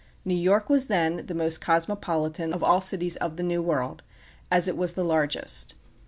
New York was then the most cosmopolitan of all cities of the New World, as it was the largest.